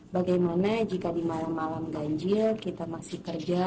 bagaimana jika di malam malam ganjil kita masih kerja